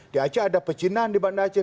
di aceh ada pecinaan di bandar aceh